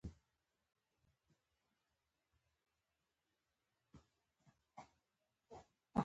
پسه د غره لمنو ته تښتي.